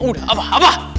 udah abah abah